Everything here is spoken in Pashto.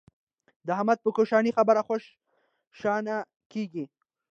د احمد په کوشنۍ خبره خوا شنه کېږي.